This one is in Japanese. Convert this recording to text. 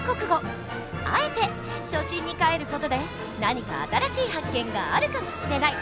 あえて初心にかえる事で何か新しい発見があるかもしれない！